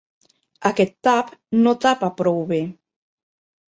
Aquest tap no tapa prou bé.